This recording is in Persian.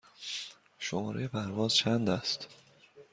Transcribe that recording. شماره پرواز چند است؟